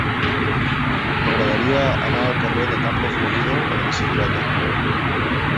M'agradaria anar al carrer de Campo Florido amb bicicleta.